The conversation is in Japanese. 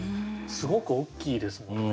すごく大きいですもんね。